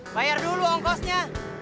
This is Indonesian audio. bayar dulu ongkosnya